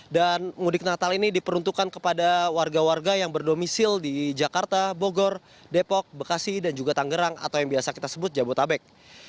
dan mudik natal ini diperuntukkan kepada warga warga yang berdomisil di jakarta bogor depok bekasi dan juga tanggerang atau yang biasa kita sebut jabotabek